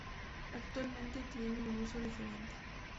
Actualmente tienen un uso diferente.